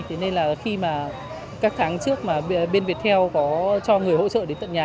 thế nên là khi mà các tháng trước mà bên viettel có cho người hỗ trợ đến tận nhà